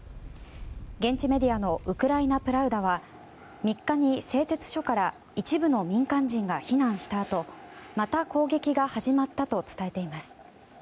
現地メディアのウクライナ・プラウダは３日に製鉄所から一部の民間人が避難したあとまた攻撃が始まったと伝えています。